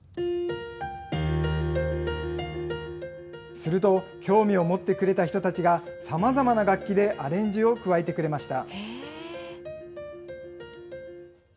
すると、興味を持ってくれた人たちがさまざまな楽器でアレンジを加えてくれました。